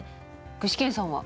具志堅さんは？